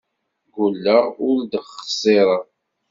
Ggulleɣ ur d-xẓireɣ.